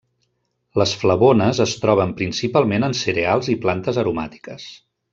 Les flavones es troben principalment en cereals i plantes aromàtiques.